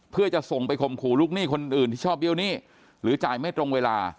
เพื่อจะส่งไปข่มขู่ลูกหนี้คนอื่นที่ชอบเบี้ยวหนี้หรือจ่ายไม่ตรงเวลา